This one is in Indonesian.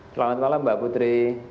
selamat malam mbak putri